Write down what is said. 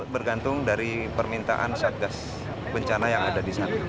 bergantung dari permintaan satgas bencana yang ada di sana